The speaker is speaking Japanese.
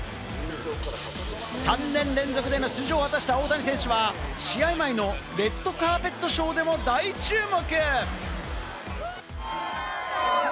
３年連続での出場を果たした大谷選手は試合前のレッドカーペットショーでも大注目。